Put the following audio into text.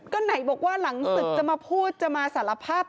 ก็ไหนบอกว่าหลังศึกจะมาพูดจะมาสารภาพ